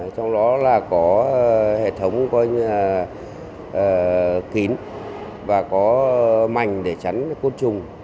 trong đó là có hệ thống kín và có mảnh để chắn côn trùng